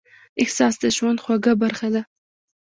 احساس د ژوند خوږه برخه ده.